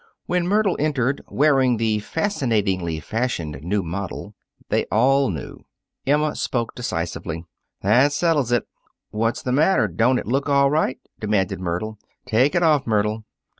When Myrtle entered, wearing the fascinatingly fashioned new model, they all knew. Emma spoke decisively. "That settles it." "What's the matter? Don't it look all right?" demanded Myrtle. "Take it off, Myrtle."